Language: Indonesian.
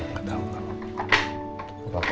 nggak tahu nggak tahu